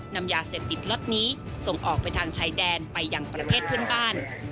นำยาเสพติดล็อตนี้ส่งออกไปทางชายแดนไปยังประเทศเพื่อนบ้าน